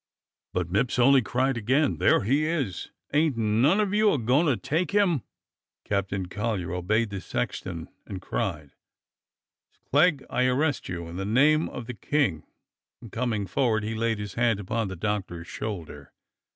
" But Mipps only cried again: "There he is! Ain't none of you a goin' to take him? " HOLDING THE PULPIT 287 Captain Collyer obeyed the sexton and cried :" Clegg, I arrest you in the name of the King!" and coming for ward he laid his hand upon the Doctor's shoulder.